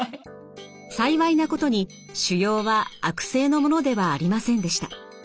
幸いなことに腫瘍は悪性のものではありませんでした。